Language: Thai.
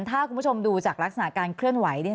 ถ้าคุณผู้ชมดูจากลักษณะการเคลื่อนไหว